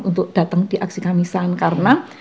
untuk datang di aksi kamisan karena